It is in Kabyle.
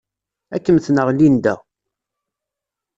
Ad kem-tenɣ Linda.